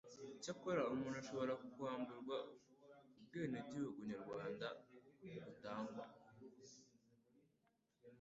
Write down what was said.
Icyakora umuntu ashobora kwamburwa ubwenegihugu nyarwanda butangwa,